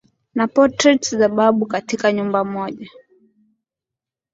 na portraits za babu katika nyumba moja